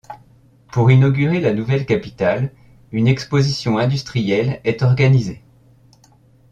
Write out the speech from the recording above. Pour inaugurer la nouvelle capitale, une exposition industrielle est organisée.